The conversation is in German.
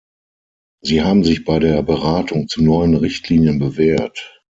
Sie haben sich bei der Beratung zu neuen Richtlinien bewährt.